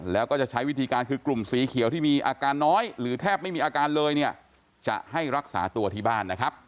แล้วก็จะใช้วิธีการคือกลุ่มสีเขียวที่มีอาการน้อยหรือแทบไม่มีอาการเลยเนี่ยจะให้รักษาตัวที่บ้านนะครับ